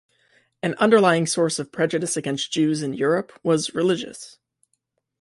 An underlying source of prejudice against Jews in Europe was religious.